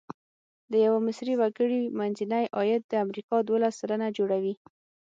د یوه مصري وګړي منځنی عاید د امریکا دوولس سلنه جوړوي.